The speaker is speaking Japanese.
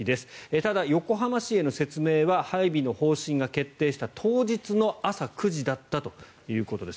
ただ、横浜市への説明は配備の方針が決定した当日の朝９時だったということです。